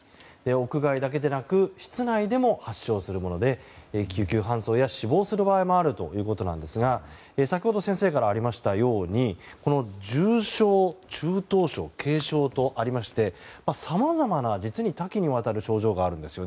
屋外だけでなく室内でも発症するもので救急搬送や死亡する場合もあるということなんですが先ほど先生からありましたように重症・中等症・軽症とありましてさまざまな多岐にわたる症状があるんです。